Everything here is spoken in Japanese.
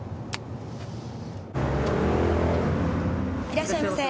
いらっしゃいませ。